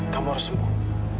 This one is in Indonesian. kamu harus sembuh